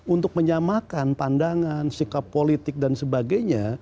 untuk menyamakan pandangan sikap politik dan sebagainya